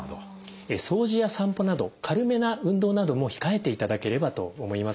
掃除や散歩など軽めな運動なども控えていただければと思います。